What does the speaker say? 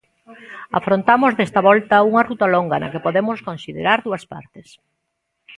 Afrontamos desta volta unha ruta longa na que podemos considerar dúas partes.